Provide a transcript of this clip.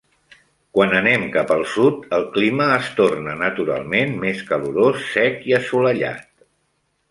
Quan anem cap al sud, el clima es torna naturalment més calorós, sec i assolellat.